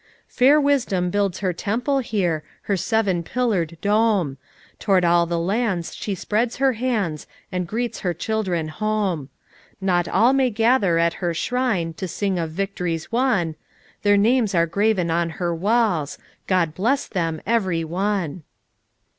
i i Fair Wisdom builds her temple here Her seven pillared dome ; Toward all the lands she spreads her hands And greets her children home. Not all may gather at her shrine To sing of victories won, POUR MOTHERS AT CHAUTAUQUA 289 Their names are graven on her walls, — God bless them, every one."